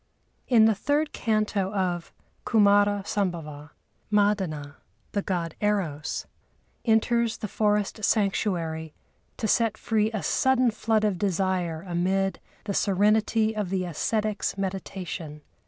In the third canto of Kumâra Sambhava, Madana, the God Eros, enters the forest sanctuary to set free a sudden flood of desire amid the serenity of the ascetics' meditation.